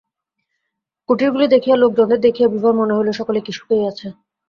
কুটীরগুলি দেখিয়া লােকজনদের দেখিয়া বিভার মনে হইল সকলে কি সুখেই আছে!